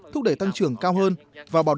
thúc đẩy tăng trưởng cao hơn và bảo đảm an sinh